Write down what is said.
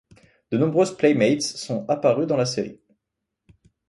De nombreuses playmates sont apparues dans la série.